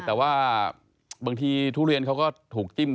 แต่ว่าบางทีทุเรียนเขาก็ถูกจิ้ม